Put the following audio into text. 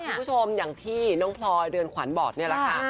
คุณผู้ชมอย่างที่น้องพลอยเรือนขวัญบอกนี่แหละค่ะ